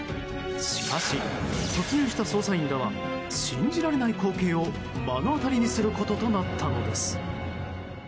しかし突入した捜査員らは信じられない光景を目の当たりにすることとなったのです。